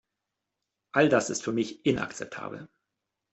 All das ist für mich inakzeptabel.